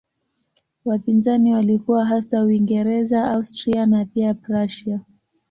Wapinzani walikuwa hasa Uingereza, Austria na pia Prussia.